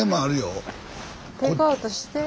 テイクアウトして。